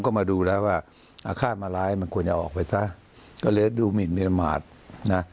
ก็มาดูแล้วว่าอาฆาตมาร้ายมันควรจะออกไปซะก็เลยดูหมินมาตรนะ